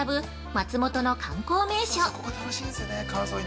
松本の観光名所。